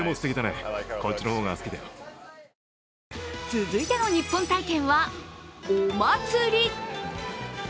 続いてのニッポン体験はお祭り！